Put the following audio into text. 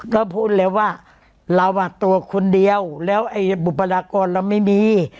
ก็พูดแล้วว่าเราอ่ะตัวคนเดียวแล้วไอ้บุคลากรเราไม่มี